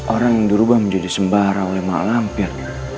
orang yang dirubah menjadi sembara oleh mak lampir